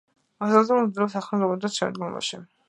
ლიტერატურული მიმდინარეობა ახალი რომანის წარმომადგენელი.